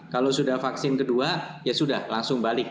kalau sudah vaksin kedua ya sudah langsung balik